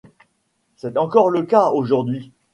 C'est encore le cas aujourd'hui.